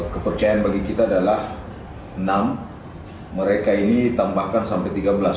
kepercayaan bagi kita adalah enam mereka ini tambahkan sampai tiga belas